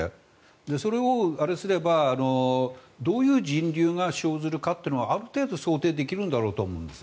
それをあれすればどういう人流が生ずるかっていうのはある程度、想定できるんだろうと思うんですよ。